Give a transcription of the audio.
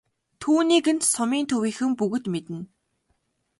Түүнийг нь сумын төвийнхөн бүгд мэднэ.